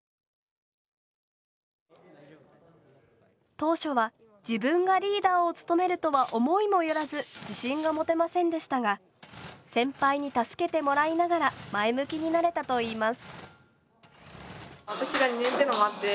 当初は自分がリーダーを務めるとは思いもよらず自信が持てませんでしたが先輩に助けてもらいながら前向きになれたといいます。